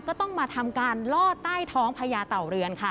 ก็ต้องมาทำการล่อใต้ท้องพญาเต่าเรือนค่ะ